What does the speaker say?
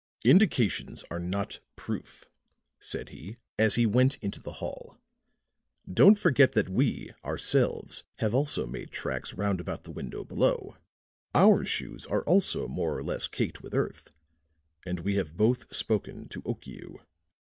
"Indications are not proof," said he, as he went into the hall. "Don't forget that we ourselves have also made tracks round about the window below, our shoes are also more or less caked with earth, and we have both spoken to Okiu."